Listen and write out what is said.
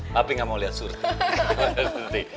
papi gak mau lihat surti